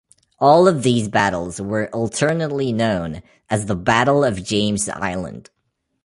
All of these battles were alternately known as the "Battle of James Island".